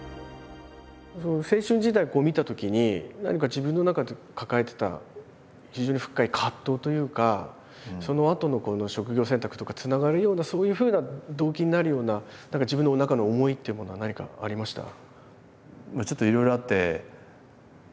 青春時代見たときに何か自分の中で抱えてた非常に深い葛藤というかそのあとの職業選択とかにつながるようなそういうふうな動機になるような何か自分の中の思いっていうものは何かありました？